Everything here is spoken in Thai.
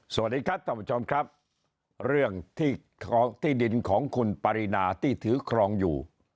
สวัสดีครับท่านผู้ชมครับเรื่องที่ดินของคุณปรินาที่ถือครองอยู่